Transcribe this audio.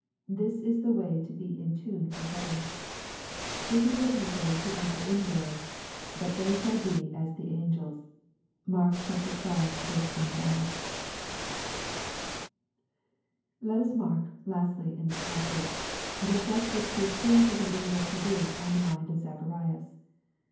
This is the way to be in tune for heaven. It is written of those who enter in there, that they shall be " as the angels." (Mark xii. 25.) Let us mark, lastly, in this passage, the effect which the appearance of an angel produced on the mind oj Zacharias.